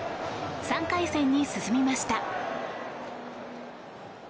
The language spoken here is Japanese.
３回戦に進みました。